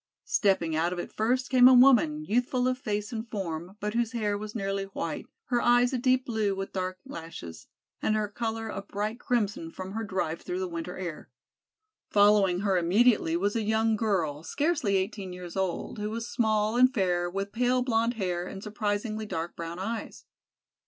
Stepping out of it first came a woman, youthful of face and form, but whose hair was nearly white, her eyes a deep blue with dark lashes, and her color a bright crimson from her drive through the winter air. Following her immediately was a young girl, scarcely eighteen years old, who was small and fair with pale blonde hair and surprisingly dark brown eyes.